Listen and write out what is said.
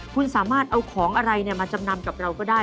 คุณสามารถเอาของอะไรมาจำนำกับเราก็ได้